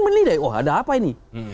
menilai deh ada apa ini